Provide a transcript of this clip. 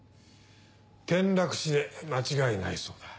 転落死で間違いないそうだ。